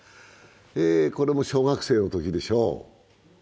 これも小学生のときでしょう。